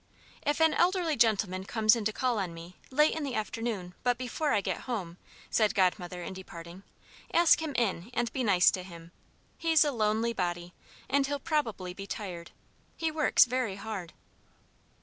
"If an elderly gentleman comes in to call on me, late in the afternoon but before I get back home," said Godmother, in departing, "ask him in and be nice to him. He's a lonely body, and he'll probably be tired. He works very hard."